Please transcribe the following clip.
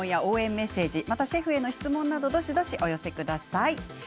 メッセージシェフへの質問などどしどしお寄せください。